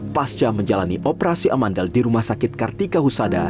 pasca menjalani operasi amandal di rumah sakit kartika husada